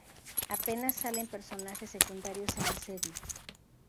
Apenas salen personajes secundarios en la serie.